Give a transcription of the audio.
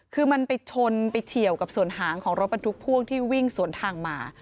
คือมันไปชนไปเฉียวกับส่วนหางของรถบรรทุกพ่วงที่วิ่งสวนทางมา